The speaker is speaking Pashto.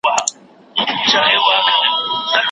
د علم لاسته راوړل په اسلام کې پر هر نارینه او ښځینه فرض دي.